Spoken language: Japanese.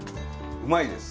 うまいです。